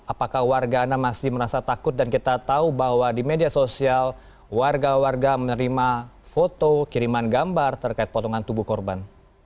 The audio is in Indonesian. apakah warga anda masih merasa takut dan kita tahu bahwa di media sosial warga warga menerima foto kiriman gambar terkait potongan tubuh korban